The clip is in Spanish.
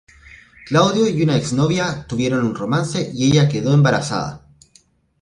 Claudio y una exnovia tuvieron un romance y ella quedó embarazada.